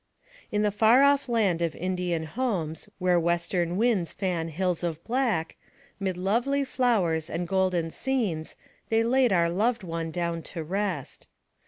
In the far off land of Indian homes, Where western winds fan " hills of black/' 'Mid lovely flowers, and golden scenes, They laid our loved one down to rest.